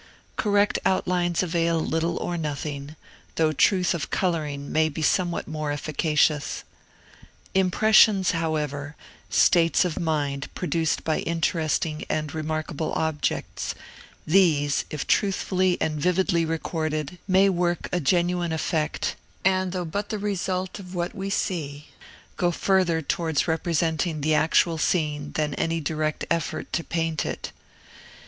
Correct outlines avail little or nothing, though truth of coloring may be somewhat more efficacious. Impressions, however, states of mind produced by interesting and remarkable objects, these, if truthfully and vividly recorded, may work a genuine effect, and, though lint the result, of what we see, go further towards representing the actual scene than any direct effort to paint it.